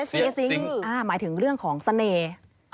เสียซิงค์หมายถึงเรื่องของเสน่ห์